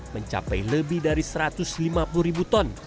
mencapai lebih dari satu ratus lima puluh ribu ton